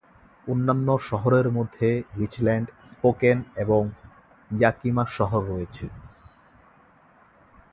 অন্যান্য শহরের মধ্যে রিচল্যান্ড, স্পোকেন এবং ইয়াকিমা শহর রয়েছে।